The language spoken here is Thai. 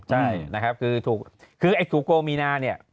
ใช่นะครับคือถูกโกงมีนาเนี่ย